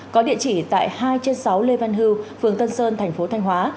có địa chỉ tại hai trên sáu lê văn hưu phường tân sơn tp thanh hóa